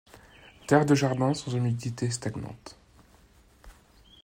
Terre de jardin sans humidité stagnante.